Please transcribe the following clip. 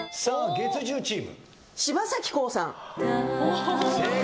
月１０チーム。